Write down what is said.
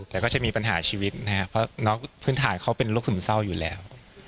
แต่ก็จะมีปัญหาชีวิตนะครับเพราะน้องพื้นฐานเขาเป็นโรคซึมเศร้าอยู่แล้ว